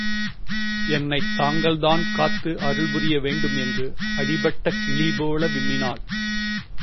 என்னைத் தாங்கள்தான் காத்து, அருள் புரிய வேண்டும் என்று அடிபட்ட கிளிபோல விம்மினாள்.